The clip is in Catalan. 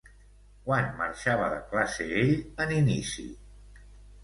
Quan marxava de classe ell en inici?